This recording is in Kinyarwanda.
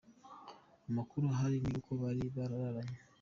Amakuru ahari ni uko bari bararanye.